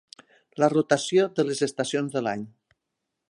La rotació de les estacions de l'any.